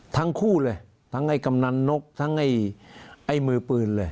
ทั้งคู่เลยทั้งไอ้กำนันนกทั้งไอ้มือปืนเลย